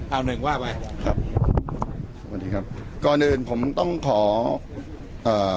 เอาหนึ่งว่าไปครับสวัสดีครับก่อนอื่นผมต้องขอเอ่อ